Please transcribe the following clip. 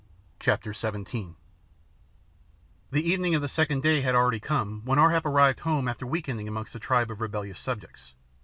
CHAPTER XVII The evening of the second day had already come, when Ar hap arrived home after weekending amongst a tribe of rebellious subjects.